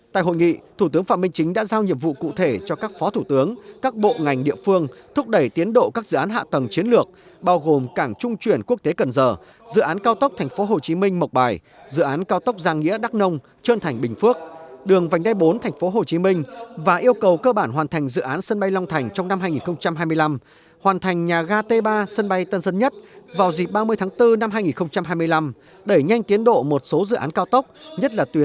tại hội nghị thủ tướng phạm minh chính đã giao nhiệm vụ cụ thể cho các phó thủ tướng các bộ ngành địa phương thúc đẩy tiến độ các dự án hạ tầng chiến lược bao gồm cảng trung chuyển quốc tế cần giờ dự án cao tốc tp hcm mộc bài dự án cao tốc giang nghĩa đắc nông trơn thành bình phước đường vành đe bốn tp hcm và yêu cầu cơ bản hoàn thành dự án sân bay long thành trong năm hai nghìn hai mươi năm hoàn thành nhà ga t ba sân bay tân dân nhất vào dịp ba mươi tháng bốn năm hai nghìn hai mươi năm đẩy nhanh tiến độ một số dự án cao tốc nhất là tu